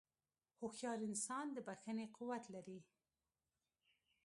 هوښیار انسان د بښنې قوت لري.